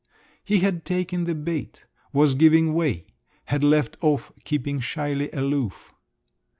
He had taken the bait, was giving way, had left off keeping shyly aloof!